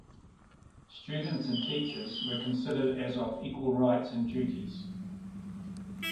Students and teachers were considered as of equal rights and duties.